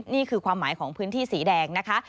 นี่คือความหมายของพื้นที่สีแดงนะคะ